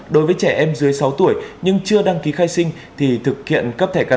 đối với trẻ em dưới sáu tuổi nhưng chưa đăng ký khai sinh thì thực hiện cấp thẻ căn cước